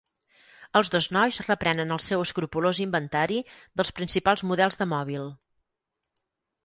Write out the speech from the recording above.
Els dos nois reprenen el seu escrupolós inventari dels principals models de mòbil.